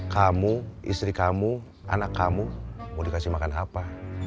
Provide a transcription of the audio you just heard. kamu istri kamu anak kamu mau dikasih makan apa